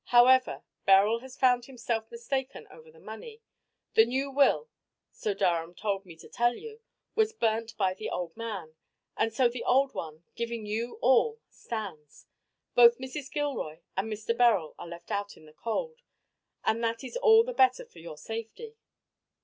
However, Beryl has found himself mistaken over the money. The new will so Durham told me to tell you was burnt by the old man, and so the old one, giving you all, stands. Both Mrs. Gilroy and Mr. Beryl are left out in the cold. And that is all the better for your safety."